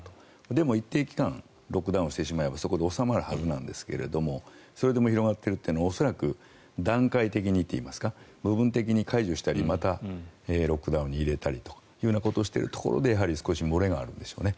でも一定期間ロックダウンをしてしまえばそこで収まるはずなんですがそれでも広がっているというのは恐らく、段階的にといいますか部分的に解除したりまたロックダウンに入れたりということをしているところで少し漏れがあるんでしょうね。